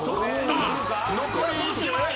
残り１枚。